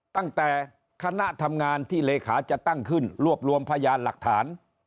ตั้งแต่คณะทำงานที่เลขาจะตั้งขึ้นรวบรวมพยานหลักฐาน